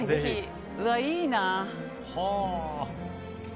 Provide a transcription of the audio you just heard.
うわ、いいな。